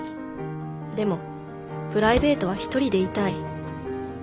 でもプライベートは一人でいたい。